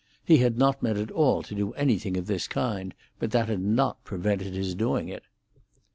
He had not meant at all to do anything of this kind, but that had not prevented his doing it.